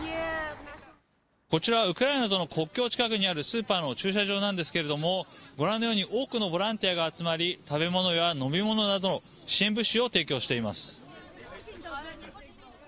こちらは、ウクライナとの国境近くにあるスーパーの駐車場なんですけれども、ご覧のように、多くのボランティアが集まり、食べ物や飲み物などの支援物資を提供しています。